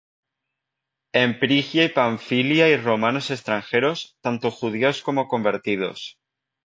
En Phrygia y Pamphylia y Romanos extranjeros, tanto Judíos como convertidos,